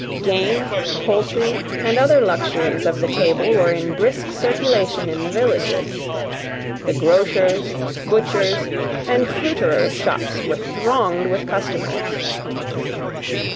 Game, poultry, and other luxuries of the table, were in brisk circulation in the villages; the grocers', butchers', and fruiterers' shops were thronged with customers.